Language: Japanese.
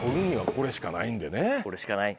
これしかない。